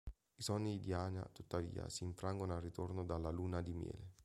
I sogni di Diana, tuttavia, si infrangono al ritorno dalla luna di miele.